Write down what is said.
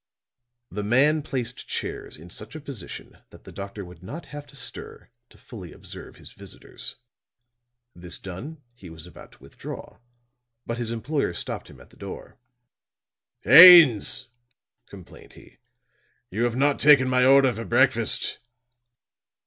The man placed chairs in such a position that the doctor would not have to stir to fully observe his visitors. This done he was about to withdraw; but his employer stopped him at the door. "Haines," complained he, "you have not taken my order for breakfast."